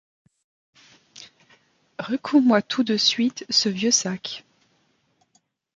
Recouds-moi tout de suite Ce vieux sac.